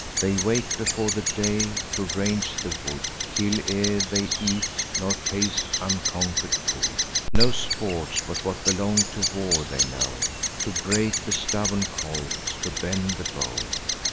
They wake before the day to range the wood, Kill ere they eat, nor taste unconquer'd food. No sports, but what belong to war, they know: To break the stubborn colt, to bend the bow.